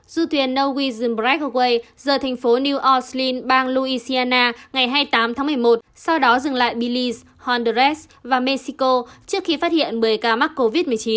du thuyền norwegian breakaway rời thành phố new orleans bang louisiana ngày hai mươi tám tháng một mươi một sau đó dừng lại belize honduras và mexico trước khi phát hiện một mươi ca mắc covid một mươi chín